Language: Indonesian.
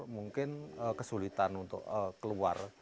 mungkin kesulitan untuk keluar